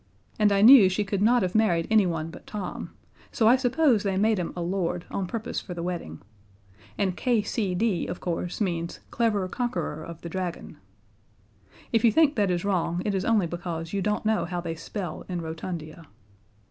and I knew she could not have married anyone but Tom, so I suppose they made him a Lord on purpose for the wedding and K.C.D., of course, means Clever Conqueror of the Dragon. If you think that is wrong it is only because you don't know how they spell in Rotundia.